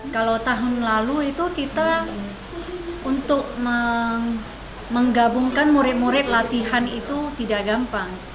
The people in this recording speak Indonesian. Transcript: kalau tahun lalu itu kita untuk menggabungkan murid murid latihan itu tidak gampang